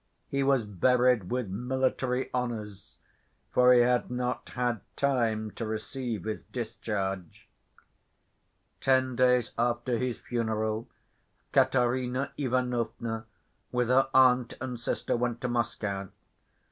He was buried with military honors, for he had not had time to receive his discharge. Ten days after his funeral, Katerina Ivanovna, with her aunt and sister, went to Moscow.